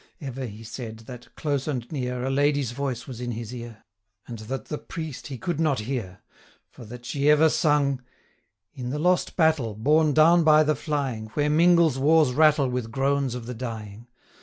Ever, he said, that, close and near, A lady's voice was in his ear, And that the priest he could not hear; 970 For that she ever sung, 'In the lost battle, borne down by the flying, Where mingles war's rattle with groans of the dying!'